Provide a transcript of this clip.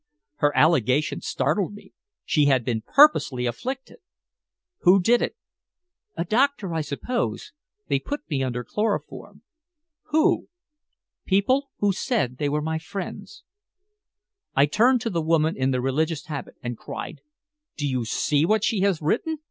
Her allegation startled me. She had been purposely afflicted! "Who did it?" "A doctor, I suppose. They put me under chloroform." "Who?" "People who said they were my friends." I turned to the woman in the religious habit, and cried "Do you see what she has written?